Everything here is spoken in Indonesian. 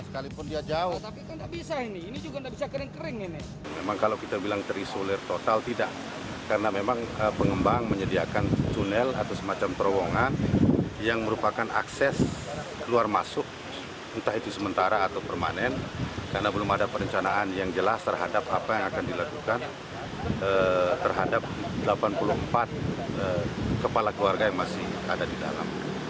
karena belum ada perencanaan yang jelas terhadap apa yang akan dilakukan terhadap delapan puluh empat kepala keluarga yang masih ada di dalam